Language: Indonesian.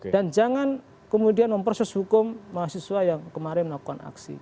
dan jangan kemudian memproses hukum mahasiswa yang kemarin melakukan aksi